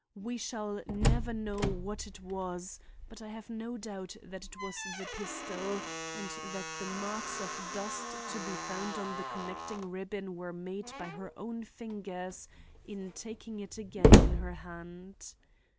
We shall never know what it was, but I have no doubt that it was the pistol, and that the marks of dust to be found on the connecting ribbon were made by her own fingers in taking it again in her hand.